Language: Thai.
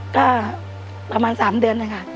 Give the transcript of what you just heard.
ก็ประมาณสามเดือนสิค่ะ